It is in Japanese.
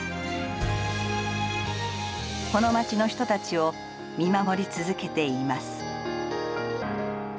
この町の人たちを見守り続けています。